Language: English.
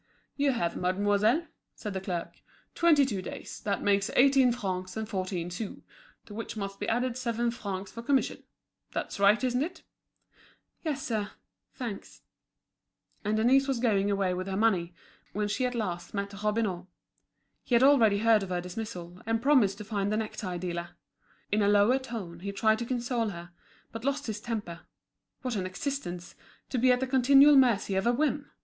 "You have, mademoiselle," said the clerk, "twenty two days; that makes eighteen francs and fourteen sous; to which must be added seven francs for commission. That's right, isn't it?" "Yes, sir. Thanks." And Denise was going away with her money, when she at last met Robineau. He had already heard of her dismissal, and promised to find the necktie dealer. In a lower tone he tried to console her, but lost his temper: what an existence, to be at the continual mercy of a whim!